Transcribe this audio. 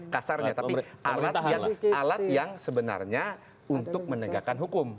kasarnya tapi alat yang sebenarnya untuk menegakkan hukum